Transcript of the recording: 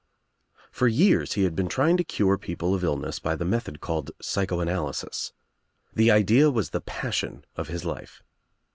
For years he had been trying to cure people of ill ness by the method called psychoanalysis. The idea was the passion of his life.